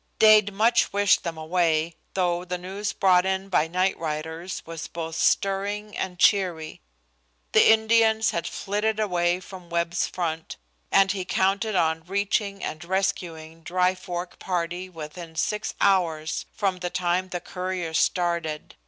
Dade much wished them away, though the news brought in by night riders was both stirring and cheery. The Indians had flitted away from Webb's front, and he counted on reaching and rescuing the Dry Fork party within six hours from the time the courier started.